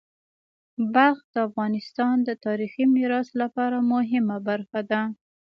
بلخ د افغانستان د تاریخی میراث لپاره مهمه برخه ده.